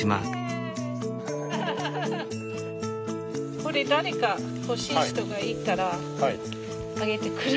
これ誰か欲しい人がいたらあげて下さい。